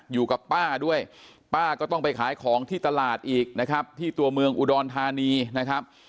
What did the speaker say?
อยู่กับป้าด้วยป้าก็ต้องไปขายของที่ตลาดอีกนะครับที่ตัวเมืองอุดรธานีนะครับ